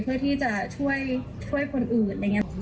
เพื่อที่จะช่วยคนอื่นอะไรอย่างนี้